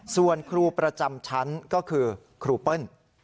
ส่วนครูประจำชั้นก็คือครูเปิ้ล